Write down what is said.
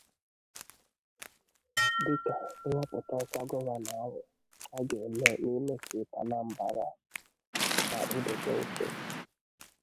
Dịka nhọpụta ọkwa Gọvanọ ahụ a ga-eme n'ime steeti Anambra na-akpụdobe nso